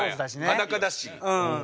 裸だし。